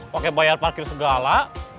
pakai bayar parkir segala